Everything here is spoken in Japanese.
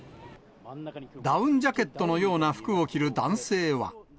ダウンジャケットのような服を着る男性は。